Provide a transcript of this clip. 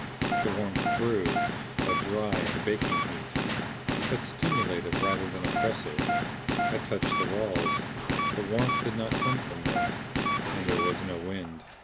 The warmth grew, a dry and baking heat; but stimulative rather than oppressive. I touched the walls; the warmth did not come from them. And there was no wind.